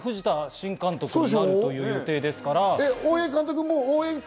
藤田新監督になるという予定ですからね。